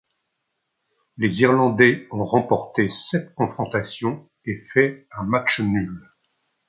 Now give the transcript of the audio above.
Les Irlandais ont remporté sept confrontations et fait un match nul.